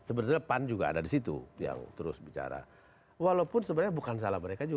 sebenarnya pan juga ada di situ yang terus bicara walaupun sebenarnya bukan salah mereka juga